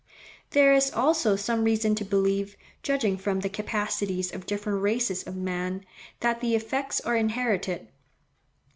There is, also, some reason to believe, judging from the capacities of different races of man, that the effects are inherited.